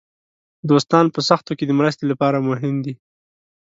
دوستان په سختیو کې د مرستې لپاره مهم دي.